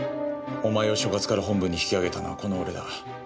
お前を所轄から本部に引き上げたのはこの俺だ。